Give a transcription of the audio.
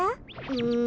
うん。